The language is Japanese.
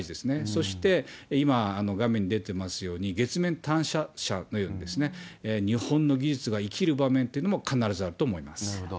そして、今、画面に出てますように、月面探査車のように日本の技術が生きる場面ってのも、必ずあるとなるほど。